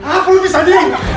aku belum bisa di